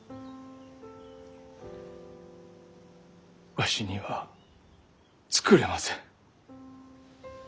わしには作れません。